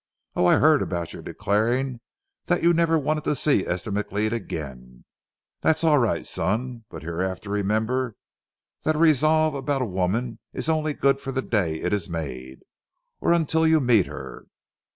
Oh, I heard about your declaring that you never wanted to see Esther McLeod again. That's all right, son, but hereafter remember that a resolve about a woman is only good for the day it is made, or until you meet her.